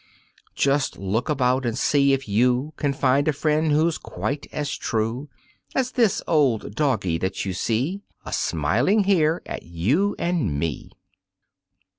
Just look about and see if you Can find a friend who's quite as true As this old Doggie that you see A smiling here at you and me.